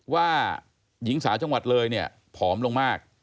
ว่าหญิงสาวจังหวัดเลยเนี่ยผอมลงมาก